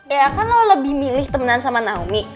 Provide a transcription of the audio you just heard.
ya kan lo lebih milih temanan sama naomi